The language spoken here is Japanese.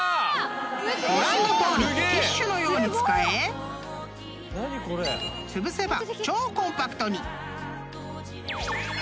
［ご覧のとおりティッシュのように使えつぶせば超コンパクトに］